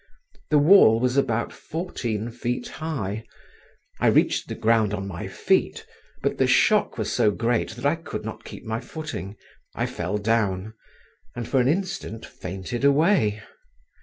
The wall was about fourteen feet high. I reached the ground on my feet, but the shock was so great that I could not keep my footing; I fell down, and for an instant fainted away.